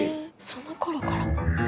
その頃から。